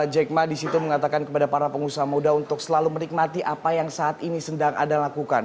jack ma disitu mengatakan kepada para pengusaha muda untuk selalu menikmati apa yang saat ini sedang ada lakukan